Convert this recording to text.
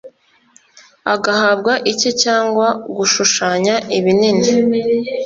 agahabwa icye cyangwa gushushanya ibinini